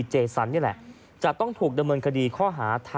และถือเป็นเคสแรกที่ผู้หญิงและมีการทารุณกรรมสัตว์อย่างโหดเยี่ยมด้วยความชำนาญนะครับ